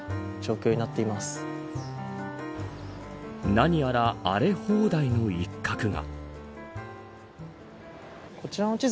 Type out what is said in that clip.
何やら荒れ放題の一角が。